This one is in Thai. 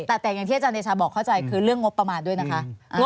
แต่อย่างที่อาจารย์เดชาบอกเข้าใจคือเรื่องงบประมาณด้วยนะคะ